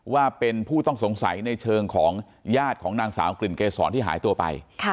ว่าเป็นผู้ต้องสงสัยในเชิงของญาติของนางสาวกลิ่นเกษรที่หายตัวไป